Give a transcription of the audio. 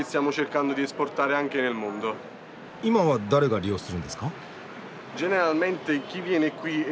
今は誰が利用するんですか？